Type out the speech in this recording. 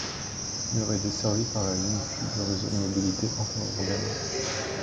Murs est desservie par la ligne Q du Réseau de mobilité interurbaine.